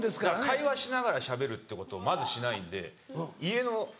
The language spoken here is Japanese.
会話しながらしゃべるってことをまずしないんで家の。